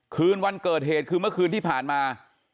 คืนวันเกิดเหตุคือเมื่อคืนที่ผ่านมา